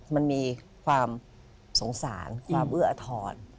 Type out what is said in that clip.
มันมีความสงสารความเอื้ออทร